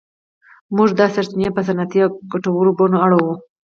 موږ دا سرچینې په صنعتي او ګټورو بڼو اړوو.